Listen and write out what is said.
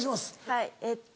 はいえっと